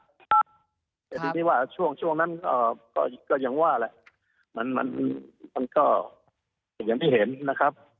แต่ทีนี้ว่าช่วงนั้นก็ยังว่าแหละมันมันก็อย่างที่เห็นนะครับ